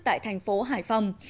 tại thành phố hải phòng